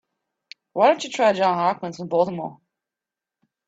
Why don't you try Johns Hopkins in Baltimore?